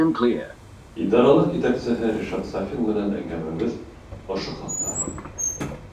Идаралыҡ етәксеһе Ришат САФИН менән әңгәмәбеҙ ошо хаҡта.